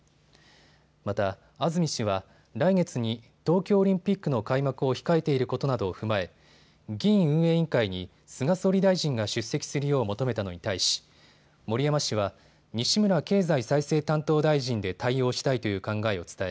また安住氏は来月に東京オリンピックの開幕を控えていることなどを踏まえ議院運営委員会に菅総理大臣が出席するよう求めたのに対し森山氏は西村経済再生担当大臣で対応したいという考えを伝え